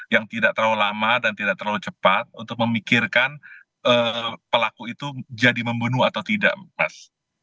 yang tidak terlalu lama dan tidak terlalu cepat untuk memikirkan pelaku itu jadi membunuh atau tidak mas